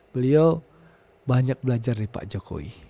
beliau banyak belajar dari pak jokowi